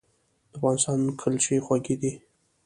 د افغانستان کلچې خوږې دي